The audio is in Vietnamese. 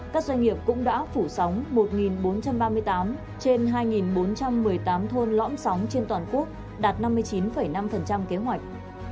các doanh nghiệp cũng đã phủ sóng một bốn trăm ba mươi tám trên hai bốn trăm một mươi tám thôn lõm sóng trên toàn quốc đạt năm mươi chín năm kế hoạch